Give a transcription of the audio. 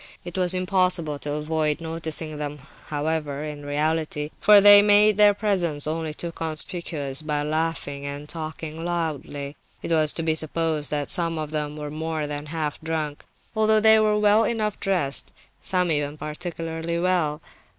It was impossible to avoid noticing them, however, in reality, for they made their presence only too conspicuous by laughing and talking loudly. It was to be supposed that some of them were more than half drunk, although they were well enough dressed, some even particularly well.